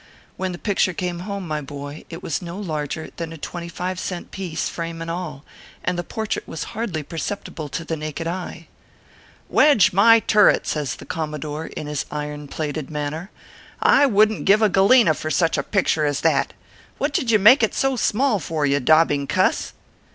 When the picture came home, my boy, it was no larger than a twenty ORPHEUS C. KERB PAPERS. 343 five cent piece, frame and all ; and the portrait was hardly perceptible to the naked eye. "Wedge my turret !" says the Commodore, in his iron plated manner, " I wouldn t give a Galena for such a picture as that. What did you make it so small for, you daubing cuss